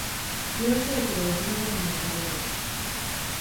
日吉駅でお昼ご飯を食べる